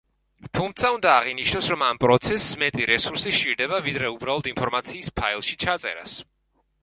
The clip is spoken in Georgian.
თუმცა, უნდა აღინიშნოს, რომ ამ პროცესს მეტი რესურსი სჭირდება, ვიდრე უბრალოდ ინფორმაციის ფაილში ჩაწერას.